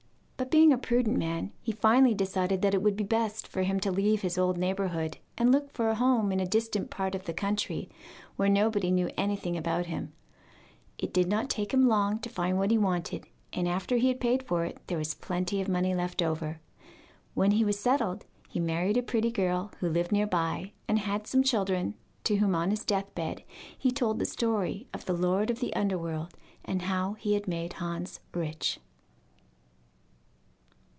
But being a prudent man, he finally decided that it would be best for him to leave his old neighbourhood and look for a home in a distant part of the country, where nobody knew anything about him. It did not take him long to find what he wanted, and after he had paid for it there was plenty of money left over. When he was settled, he married a pretty girl who lived near by, and had some children, to whom on his death bed he told the story of the lord of the underworld, and how he had made Hans rich.